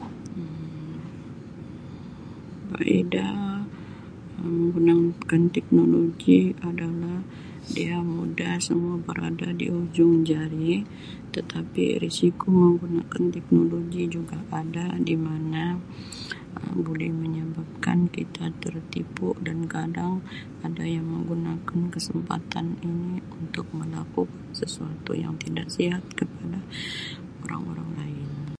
Um Faedah [unintelligible] teknologi adalah dia mudah semua berada di hujung jari tetapi risiko menggunakan teknologi juga ada di mana Um buli menyebabkan kita tertipu dan kadang-kadang ada yang menggunakan kesempatan ini untuk melaku sesuatu yang tidak sihat kepada orang-orang lain.